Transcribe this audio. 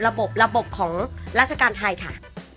ระบบระบบของราชการไทยค่ะ